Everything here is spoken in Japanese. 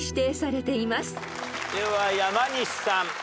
では山西さん。